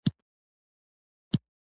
کوږ نیت زړه خوږوي